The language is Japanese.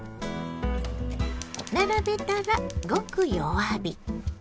並べたらごく弱火。